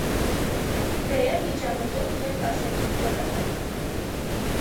Բեը միջամտում և կասեցնում ճակատամատը։